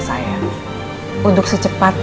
jadi minta maaf pak